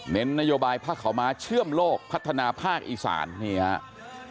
นโยบายภาคเขาม้าเชื่อมโลกพัฒนาภาคอีสานนี่ครับ